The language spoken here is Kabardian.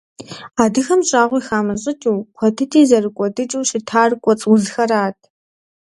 Адыгэм щӏагъуи хамыщӏыкӏыу, куэд дыди зэрыкӏуэдыкӏыу щытар кӏуэцӏ узхэрат.